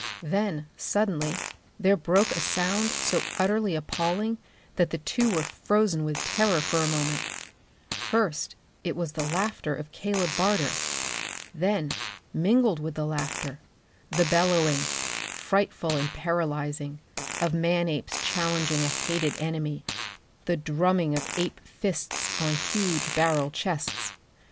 Then suddenly there broke a sound so utterly appalling that the two were frozen with terror for a moment. First it was the laughter of Caleb Barter. Then, mingled with the laughter, the bellowing, frightful and paralyzing, of man apes challenging a hated enemy. The drumming of ape fists on huge barrel chests.